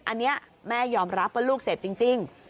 อันนี้แม่ยอมรับว่าลูกเสพจริง